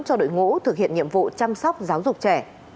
cho đội ngũ thực hiện nhiệm vụ chăm sóc giáo dục trẻ